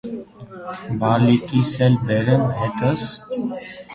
- Բալիկիս էլ բերե՞մ հետս։